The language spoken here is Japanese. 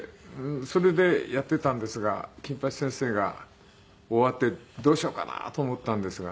それでやっていたんですが『金八先生』が終わってどうしようかなと思ったんですが。